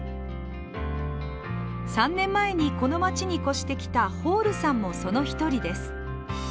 ３年前にこの町に越してきたホールさんもその１人です。